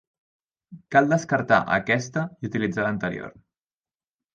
Cal descartar aquesta i utilitzar l'anterior.